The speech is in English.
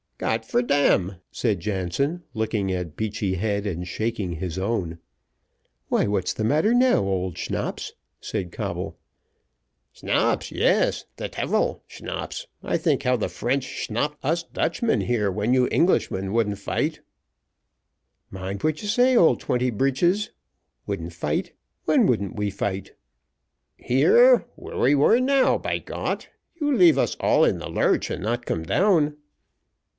"Got for dam," said Jansen, looking at Beachy Head, and shaking his own. "Why, what's the matter now, old Schnapps?" said Coble. "Schnapps yes the tyfel Schnapps, I think how the French schnapped us Dutchmen here when you Englishmen wouldn't fight." "Mind what you say, old twenty breeches wouldn't fight when wouldn't we fight?" "Here, where we were now, by Got, you leave us all in the lurch, and not come down."